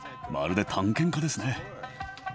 まるで探検家ですね。